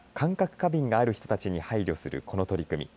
過敏がある人たちに配慮するこの取り組み。